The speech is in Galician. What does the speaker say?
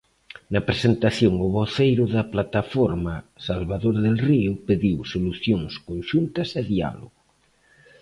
Na presentación, o voceiro da Plataforma, Salvador del Río, pediu "solucións conxuntas e diálogo".